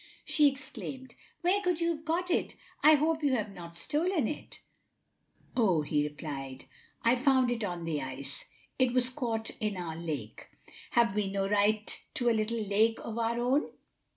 She exclaimed, "Where could you have got it? I hope you have not stolen it. '7 "Oh," he replied, "I found it on the ice. It was caught in our lake. Have we no right to a little lake of our own?